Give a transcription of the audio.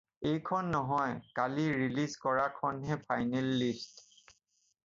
এইখন নহয়, কালি ৰিলিজ কৰাখনহে ফাইনেল লিষ্ট।